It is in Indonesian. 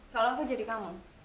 kalau aku jadi kamu